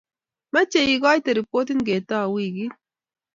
Meche igoite ripotit ngetau weekit---